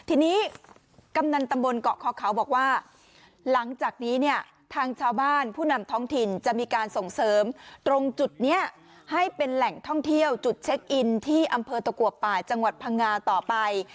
ทีนี้กำนันตำบลเกาะคอเขาบอกว่าหลังจากนี้เนี่ยทางชาวบ้านผู้นำท้องถิ่นจะมีการส่งเสริมตรงจุดนี้ให้เป็นแหล่งท่องเที่ยวจุดเช็คอินที่อำเภอตะกัวป่าจังหวัดพังงาต่อไป